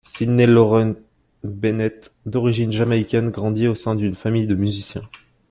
Sydney Loren Bennett, d'origine jamaïcaine, grandit au sein d'une famille de musiciens.